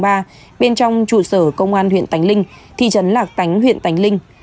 bên trong trụ sở công an huyện tánh linh thị trấn lạc tánh huyện tánh linh